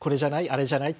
あれじゃない？